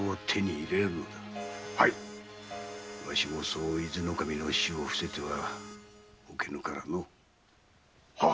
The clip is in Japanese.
わしもそう長く伊豆守の死を伏せておけぬからの。